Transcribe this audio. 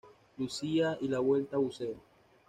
Lucía y la vuelta Buceo.